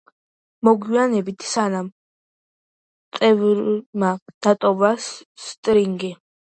მოგვიანებით სამმა წევრმა დატოვა სტრინგი.